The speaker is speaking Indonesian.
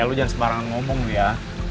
eh lo jangan sebarang ngomong dulu ya